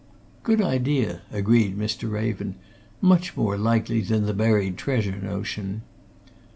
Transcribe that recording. "Good idea!" agreed Mr. Raven. "Much more likely than the buried treasure notion."